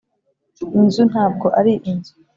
inzu ntabwo ari inzu